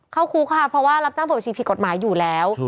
เข้าคุกค่ะเพราะว่ารับจ้างเปิดบัญชีผิดกฎหมายอยู่แล้ว